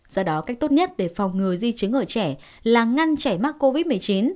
do đó cách tốt nhất để phòng ngừa di chứng ở trẻ là ngăn trẻ mắc covid một mươi chín